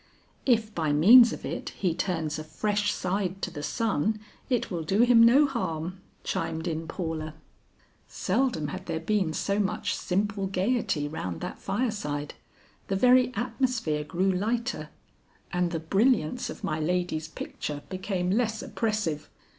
"If by means of it he turns a fresh side to the sun, it will do him no harm," chimed in Paula. Seldom had there been so much simple gaiety round that fireside; the very atmosphere grew lighter, and the brilliance of my lady's picture became less oppressive.